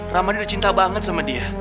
ramadhan udah cinta banget sama dia